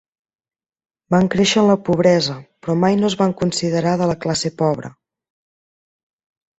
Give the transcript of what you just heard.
Van créixer en la pobresa, però mai no es van considerar de la classe pobra.